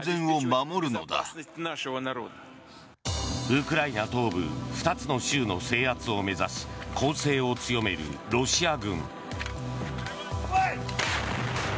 ウクライナ東部２つの州の制圧を目指し攻勢を強めるロシア軍。